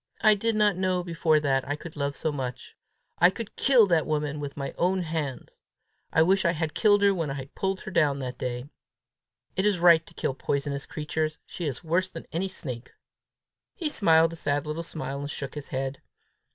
I did not know before that I could love so much! I could kill that woman with my own hands! I wish I had killed her when I pulled her down that day! It is right to kill poisonous creatures: she is worse than any snake!" He smiled a sad little smile, and shook his head.